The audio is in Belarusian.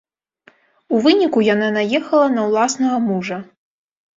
У выніку яна наехала на ўласнага мужа.